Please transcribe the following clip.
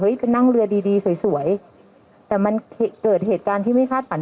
ไปนั่งเรือดีดีสวยสวยแต่มันเกิดเหตุการณ์ที่ไม่คาดฝัน